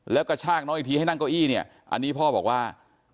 แล้วกระชากน้องอีกทีให้นั่งเก้าอี้เนี่ยอันนี้พ่อบอกว่า